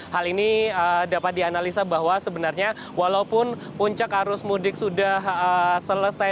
hal ini dapat dianalisa bahwa sebenarnya walaupun puncak arus mudik sudah selesai